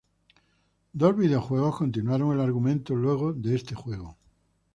Dos videojuegos continuaron el argumento luego de este juego.